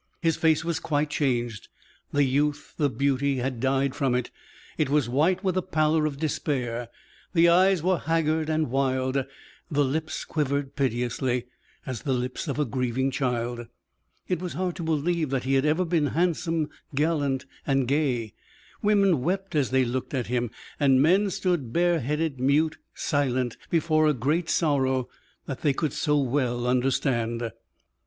His face was quite changed; the youth, the beauty had died from it, it was white with the pallor of despair; the eyes were haggard and wild, the lips quivered piteously, as the lips of a grieving child. It was hard to believe that he had ever been handsome, gallant, and gay. Women wept as they looked at him, and men stood bare headed, mute, silent, before a great sorrow that they could so well understand.